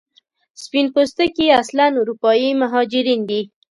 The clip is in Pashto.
سپین پوستکي اصلا اروپایي مهاجرین دي.